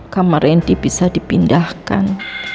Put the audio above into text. kamar rendy bisa dipindahkan